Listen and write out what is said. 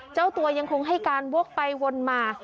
เจ้าตัวยังคงให้การวกไปวนมา